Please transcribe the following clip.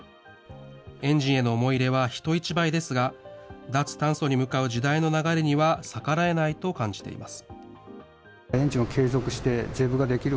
エンジンへの思い入れは人一倍ですが、脱炭素に向かう時代の流れには逆らえないと感じています。